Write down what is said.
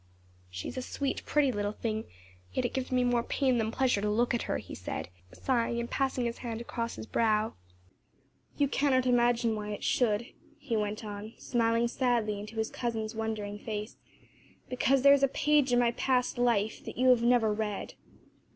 "She is a sweet, pretty little thing, yet it gives me more pain than pleasure to look at her," he said sighing and passing his hand across his brow. "You cannot imagine why it should," he went on, smiling sadly into his cousin's wondering face, "because there is a page in my past life that you have never read."